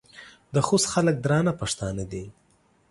د خوست خلک درانه پښتانه دي.